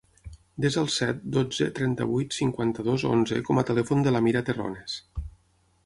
Desa el set, dotze, trenta-vuit, cinquanta-dos, onze com a telèfon de l'Amira Terrones.